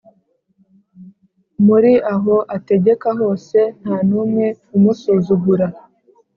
Muri aho ategeka hose ntanumwe umusuzugura